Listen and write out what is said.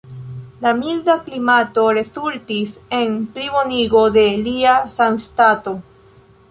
La milda klimato rezultis en plibonigo de lia sanstato.